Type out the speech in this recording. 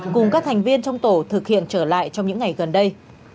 cùng các thành viên trong tổ thực hiện trở lại trong những ngày gần đây